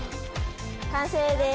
完成です！